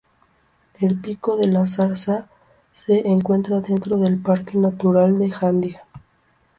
El Pico de la Zarza se encuentra dentro del Parque natural de Jandía.